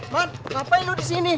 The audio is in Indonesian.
man ngapain lu disini